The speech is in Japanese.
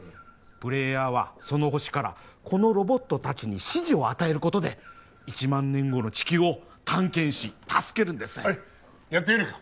プレイヤーはその星からこのロボット達に指示を与えることで一万年後の地球を探検し助けるんですやってみるか？